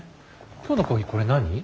今日のコーヒーこれ何？